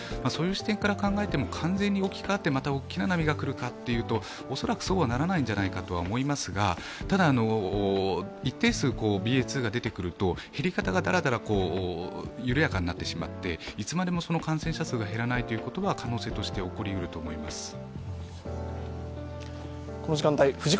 そういう視点から考えても完全に置き換わってまた大きな波が来るかというと恐らくそうはならないんじゃないかとは思いますが、ただ、一定数ＢＡ．２が出てくると、減り方がだらだらと緩やかになってしまっていつまでも感染者数が減らないということは可能性として起こりうると思います。